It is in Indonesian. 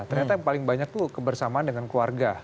ternyata yang paling banyak tuh kebersamaan dengan keluarga